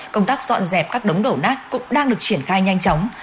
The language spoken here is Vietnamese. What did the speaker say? công tác dọn dẹp các đống đổ nát cũng đang được triển khai nhanh chóng